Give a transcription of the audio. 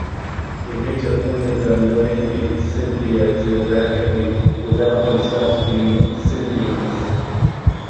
He makes a point of them living in Scythia geographically without themselves being Scythians.